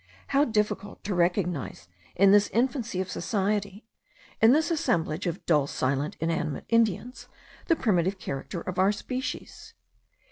How difficult to recognize in this infancy of society, in this assemblage of dull, silent, inanimate Indians, the primitive character of our species!